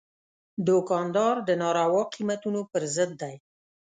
دوکاندار د ناروا قیمتونو پر ضد دی.